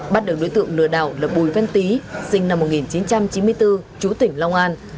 bắt được đối tượng lừa đảo là bùi văn tý sinh năm một nghìn chín trăm chín mươi bốn chú tỉnh long an